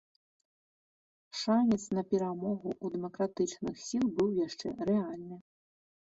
Шанец на перамогу ў дэмакратычных сіл быў яшчэ рэальны.